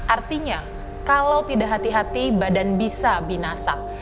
artinya kalau tidak hati hati badan bisa binasat